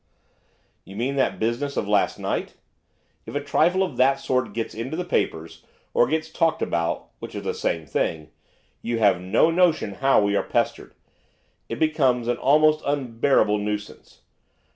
'You mean that business of last night? If a trifle of that sort gets into the papers, or gets talked about, which is the same thing! you have no notion how we are pestered. It becomes an almost unbearable nuisance.